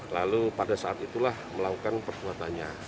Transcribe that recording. lalu pada saat itulah melakukan perbuatannya